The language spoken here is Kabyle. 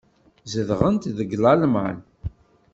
Zedɣent deg Lalman.